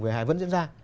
vỉa hẻ vẫn diễn ra